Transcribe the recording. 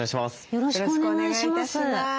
よろしくお願いします。